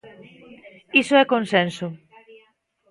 Iso é consenso.